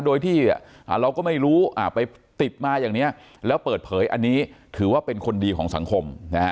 โดยที่เราก็ไม่รู้ไปติดมาอย่างนี้แล้วเปิดเผยอันนี้ถือว่าเป็นคนดีของสังคมนะฮะ